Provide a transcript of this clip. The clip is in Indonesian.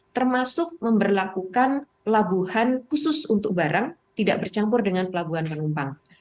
termasuk memperlakukan pelabuhan khusus untuk barang tidak bercampur dengan pelabuhan penumpang